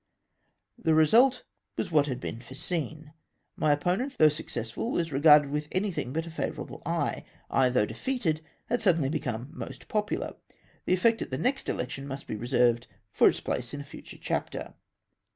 The result was what had been foreseen. My oppo nent, though successful, was regarded with anything but a favourable eye ; I, though defeated, had suddenly become most popular. The effect at the next election, must be reserved for its place in a future chapter.